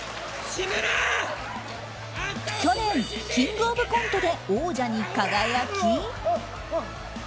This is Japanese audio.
去年「キングオブコント」で王者に輝き。